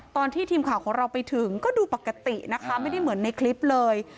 ตอนที่ทีมข่าวของเราไปถึงก็ดูปกตินะคะไม่ได้เหมือนในคลิปเลย